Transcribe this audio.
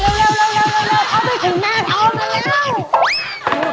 เข้าไปถึงหน้าทองแล้ว